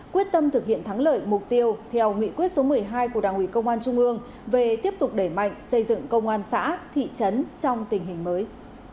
quyết tâm thực hiện thắng lợi mục tiêu theo nghị quyết số một mươi hai của đảng ủy công an trung ương về tiếp tục đẩy mạnh xây dựng công an xã thị trấn trong tình hình mới